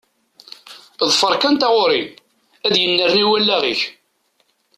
Ḍfeṛ kan taɣuṛi, ad yennerni wallaɣ-ik.